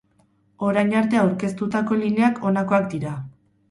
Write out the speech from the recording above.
Orain arte aurkeztutako lineak honakoak dira.